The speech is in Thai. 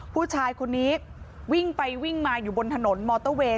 ผู้ชายคนนี้วิ่งไปวิ่งมาอยู่บนถนนมอเตอร์เวย์